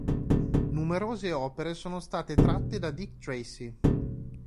Numerose opere sono state tratte da Dick Tracy.